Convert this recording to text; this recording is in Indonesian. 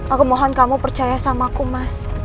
aku mohon kamu percaya sama aku mas